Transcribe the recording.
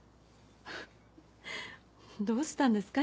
どうしたんですか？